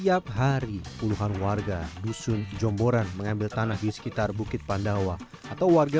tiap hari puluhan warga dusun jomboran mengambil tanah di sekitar bukit pandawa atau warga